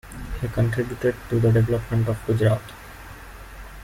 He contributed to the development of Gujarat.